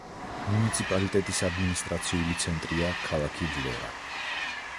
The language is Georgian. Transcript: მუნიციპალიტეტის ადმინისტრაციული ცენტრია ქალაქი ვლორა.